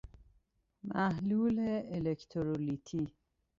محلول الکترولیتی